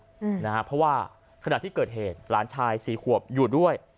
เพราะว่าขณะที่เกิดเหตุหลานชายสี่ขวบอยู่ด้วย